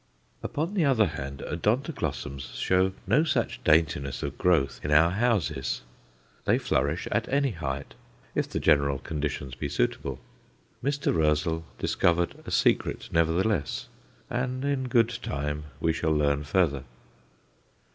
Upon the other hand, Odontoglossums show no such daintiness of growth in our houses. They flourish at any height, if the general conditions be suitable. Mr. Roezl discovered a secret nevertheless, and in good time we shall learn further.